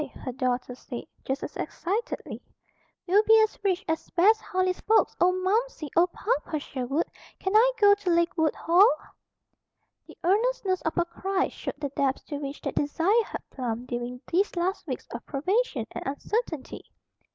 her daughter said, just as excitedly, "we'll be as rich as Bess Harley's folks. Oh, Momsey! Oh, Papa Sherwood! Can I go to Lakewood Hall?" The earnestness of her cry showed the depths to which that desire had plumbed during these last weeks of privation and uncertainty.